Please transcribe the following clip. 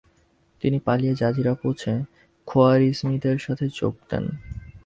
তিনি পালিয়ে জাজিরা পৌঁছে, খোয়ারিজমীদের সাথে যোগ দেন।